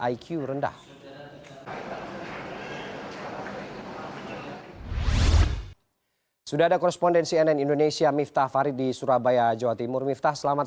iq rendah sudah ada korespondensi nn indonesia miftah farid di surabaya jawa timur miftah selamat